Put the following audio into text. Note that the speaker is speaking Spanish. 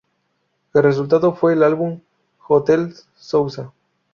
El resultado fue el álbum Hotel Souza.